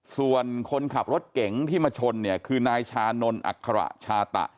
ส่วนคนขับรถเก๋งที่มาชนเนี่ยคือนายชานนทอัคระชาตะ